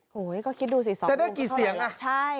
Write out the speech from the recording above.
โอ้โฮก็คิดดูสิสองลุงก็เท่าไหร่